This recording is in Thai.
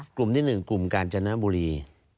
กลุ่มที่หนึ่งกลุ่มการจนบุรี